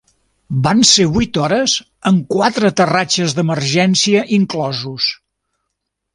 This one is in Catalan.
Van ser vuit hores amb quatre aterratges d'emergència inclosos.